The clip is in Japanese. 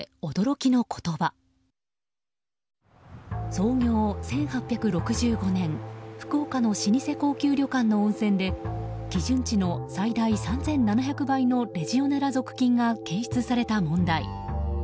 創業１８６５年福岡の老舗高級旅館の温泉で基準値の最大３７００倍のレジオネラ属菌が検出された問題。